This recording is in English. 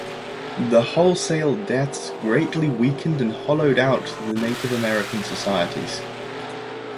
The wholesale deaths greatly weakened and hollowed out the Native American societies.